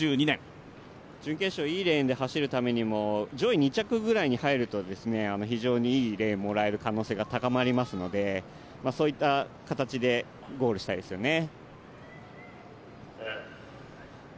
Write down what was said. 準決勝いいレーンで走るためにも上位２着ぐらいに入ると非常にいいレーンをもらえる可能性が高まりますのでそういった形でゴールしたいですよね。